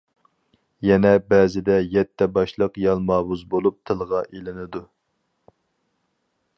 يەنە بەزىدە يەتتە باشلىق يالماۋۇز بولۇپ تىلغا ئېلىنىدۇ.